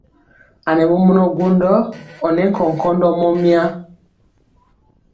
A nɛ mɔmɔnɔ gwondɔ ɔ nɛ nkɔnkɔndɔ mɔmya.